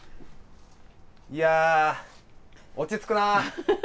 いやー、落ち着くな。